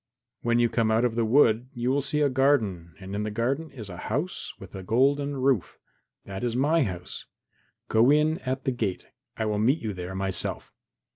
When you come out of the wood you will see a garden and in the garden is a house with a golden roof. That is my house. Go in at the gate; I will meet you there myself."